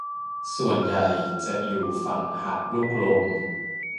ส่วนใหญ่จะอยู่ฝั่งหาดลูกลม